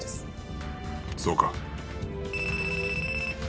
そうか。